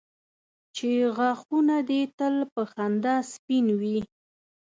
چې غاښونه دي تل په خندا سپین وي.